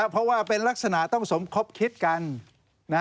เพราะว่าเป็นลักษณะต้องสมคบคิดกัน